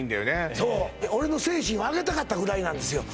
そう俺の精神をあげたかったぐらいなんですよ